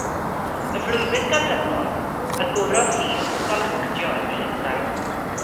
Y flwyddyn ganlynol, agorodd hi ysgol actio yn Llundain.